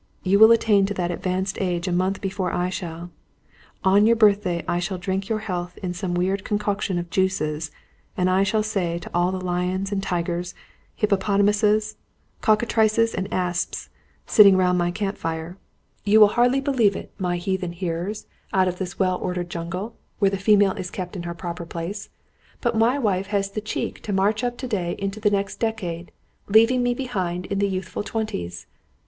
You will attain to that advanced age a month before I shall. On your birthday I shall drink your health in some weird concoction of juices; and I shall say to all the lions and tigers, hippopotamuses, cockatrices and asps, sitting round my camp fire: 'You will hardly believe it, my heathen hearers, out in this well ordered jungle, where the female is kept in her proper place but my wife has had the cheek to march up to day into the next decade, leaving me behind in the youthful twenties!'